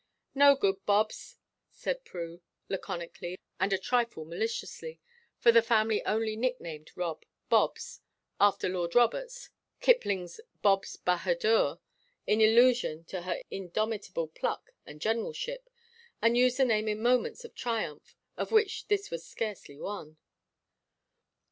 "No good, Bobs," said Prue, laconically and a trifle maliciously, for the family only nicknamed Rob "Bobs," after Lord Roberts, Kipling's "Bobs Bahadur," in allusion to her indomitable pluck and generalship, and used the name in moments of triumph, of which this was scarcely one.